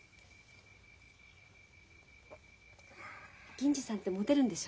銀次さんってもてるんでしょ？